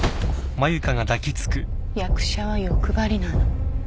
役者は欲張りなの。